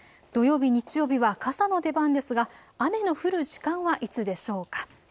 土曜日、日曜日は傘の出番ですが雨の降る時間はいつでしょうか。